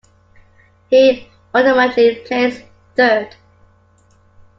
He ultimately placed third.